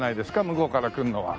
向こうから来るのは。